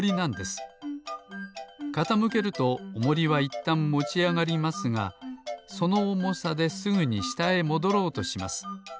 かたむけるとおもりはいったんもちあがりますがそのおもさですぐにしたへもどろうとします。